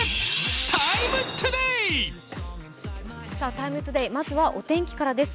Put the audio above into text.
「ＴＩＭＥ，ＴＯＤＡＹ」、まずはお天気からです。